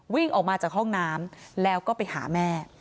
วิ่งออกมาจากห้องน้ำแล้วก็ไปหาแม่